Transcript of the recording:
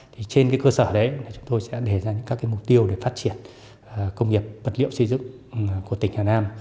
trên cơ sở đấy chúng tôi sẽ đề ra những mục tiêu để phát triển công nghiệp vật liệu xây dựng của tỉnh hà nam